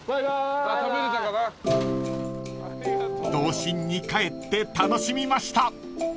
［童心に帰って楽しみました］